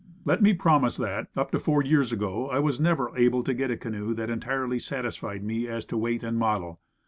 Let me premise that, up to four years ago, I was never able to get a canoe that entirely satisfied me as to weight and model.